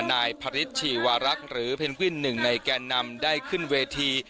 นายพระฤทธิวารักษ์หรือเพนกวินหนึ่งในแก่นำได้ขึ้นเวที